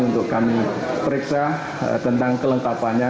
untuk kami periksa tentang kelengkapannya